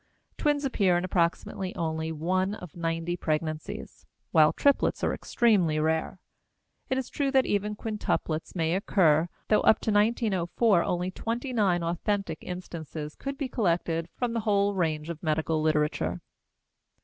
Twins appear in approximately only one of ninety pregnancies, while triplets are extremely rare. It is true that even quintuplets may occur, though up to 1904 only 29 authentic instances could be collected from the whole range of medical literature.